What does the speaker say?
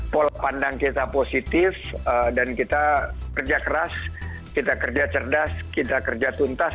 pola pandang kita positif dan kita kerja keras kita kerja cerdas kita kerja tuntas